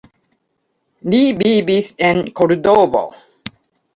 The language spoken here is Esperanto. Li vivis en Kordovo.